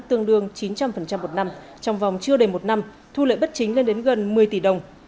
tương đương chín trăm linh một năm trong vòng chưa đầy một năm thu lợi bất chính lên đến gần một mươi tỷ đồng